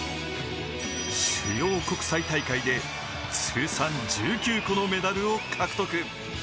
主要国際大会で通算１９個のメダルを獲得。